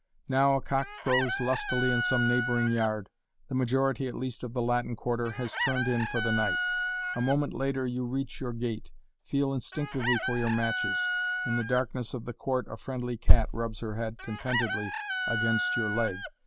Now a cock crows lustily in some neighboring yard; the majority at least of the Latin Quarter has turned in for the night. A moment later you reach your gate, feel instinctively for your matches. In the darkness of the court a friendly cat rubs her head contentedly against your leg.